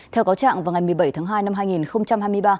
theo cáo trạng vào ngày một mươi bảy tháng hai năm hai nghìn hai mươi ba